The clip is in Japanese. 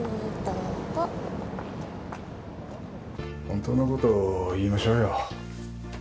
ホントのことを言いましょうよ。